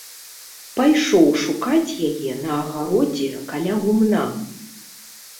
Пайшоў шукаць яе на агародзе каля гумна.